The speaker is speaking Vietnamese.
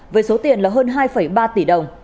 với số tiền là hơn hai ba tỷ đồng